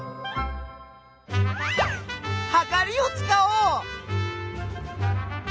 はかりをつかおう！